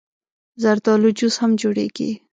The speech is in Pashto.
زردالو جوس هم جوړېږي.